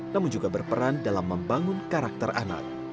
namun juga berperan dalam membangun karakter anak